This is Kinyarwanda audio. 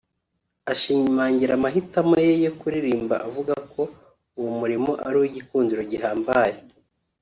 Ashimangira amahitamo ye yo kuririmba avuga ko uwo “murimo ari uw’igikundiro gihambaye